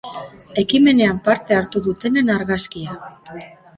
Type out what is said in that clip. Ekimenean parte hartu dutenen argazkia.